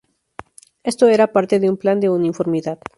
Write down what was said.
Esto era parte de un plan de uniformidad.